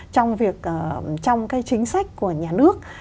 trong việc trong cái chính sách của nhà nước